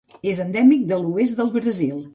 És endèmic de l'oest del Brasil.